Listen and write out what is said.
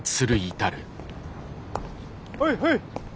はいはい！